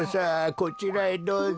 こちらへどうぞ。